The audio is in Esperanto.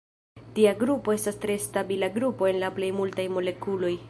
Tia grupo estas tre stabila grupo en la plej multaj molekuloj.